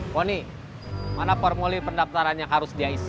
koni mana formulir pendaftaran yang harus dia isi